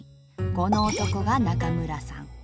この男が中村さん。